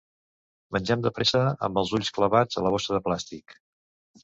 Mengem de pressa, amb els ulls clavats a la bossa de plàstic.